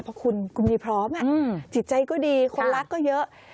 เพราะคุณมีพร้อมจิตใจก็ดีคนรักก็เยอะ